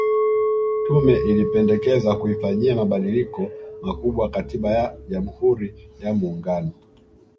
Tume ilipendekeza kuifanyia mabadiliko makubwa katiba ya Jamhuri ya Muungano